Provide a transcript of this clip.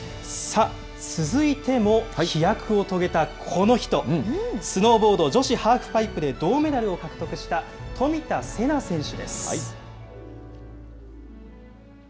続いても飛躍を遂げたこの人、スノーボード女子ハーフパイプで銅メダルを獲得した冨田せな選手です。